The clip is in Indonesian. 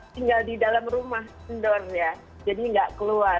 tinggal di dalam rumah kendor ya jadi nggak keluar